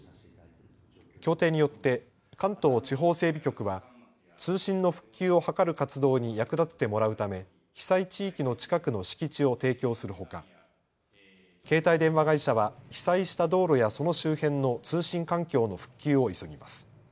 協定によって関東地方整備局は通信の復旧を図る活動に役立ててもらうため被災地域の近くの敷地を提供するほか携帯電話会社は被災した道路やその周辺の通信環境の復旧を急ぎます。